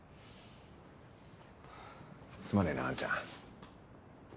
すまねえなあんちゃん。